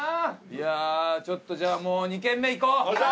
いやあちょっとじゃあもう２軒目行こう！